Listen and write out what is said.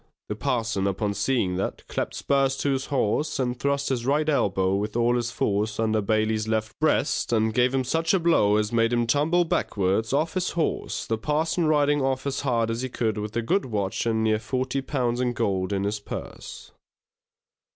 The parson upon seeing that, clapped spurs to his horse, and thrust his right elbow with all his force under Bailey's left breast, and gave him such a blow as made him tumble backwards off his horse, the parson riding off as hard as he could with a good watch and near forty pounds in gold in his purse.